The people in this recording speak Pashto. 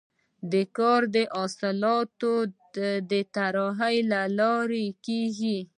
دا کار د اصلاحاتو د طرحې له لارې کیږي.